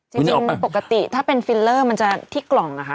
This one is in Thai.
จริงปกติถ้าเป็นฟิลเลอร์มันจะที่กล่องนะคะ